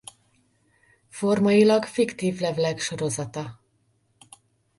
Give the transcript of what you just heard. Formailag fiktív levelek sorozata.